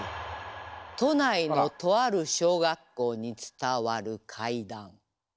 都内のとある小学校に伝わる怪談。